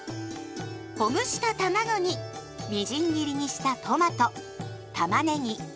ほぐしたたまごにみじん切りにしたトマトたまねぎ